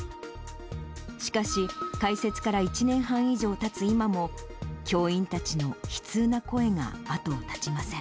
しかし、開設から１年半以上たつ今も、教員たちの悲痛な声が後を絶ちません。